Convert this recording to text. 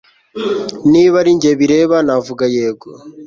Niba ari njye bireba navuga yego